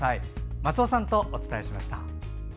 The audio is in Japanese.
松尾さんとお伝えしました。